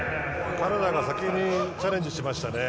カナダが先にチャレンジしましたね。